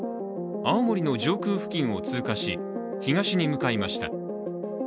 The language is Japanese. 青森の上空付近を通過し、東に向かいました。